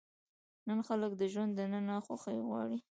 نن خلک د ژوند دننه خوښي غواړي.